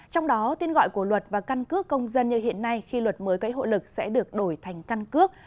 trong đó tên gọi của luật và căn cước công dân như hiện nay khi luật mới cấy hội lực sẽ được đổi thành căn cước